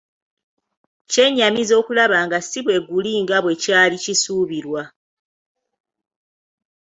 Kyennyamiza okulaba nga si bwe guli nga bwekyali kisuubirwa.